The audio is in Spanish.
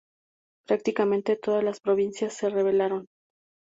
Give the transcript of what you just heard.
Prácticamente todas las provincias se rebelaron.